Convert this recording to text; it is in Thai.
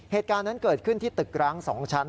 เหตุการณ์นั้นเกิดขึ้นที่ตึกร้าง๒ชั้น